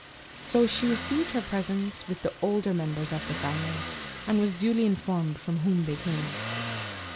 So she received her presents with the older members of the family, and was duly informed from whom they came.